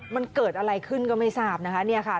มันเกิดอะไรขึ้นก็ไม่ทราบนะคะ